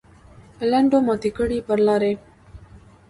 لنډو ماتې کړې پر لارې.